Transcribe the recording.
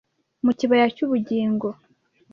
mu kibaya cy'ubugingo